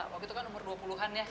waktu itu kan umur dua puluh an ya